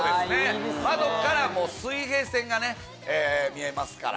窓から水平線が見えますから。